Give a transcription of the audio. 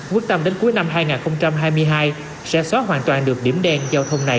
quyết tâm đến cuối năm hai nghìn hai mươi hai sẽ xóa hoàn toàn được điểm đen giao thông này